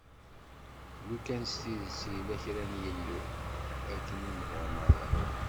Lukan s tidet yella kra n yillu, akken i nebɣa merra.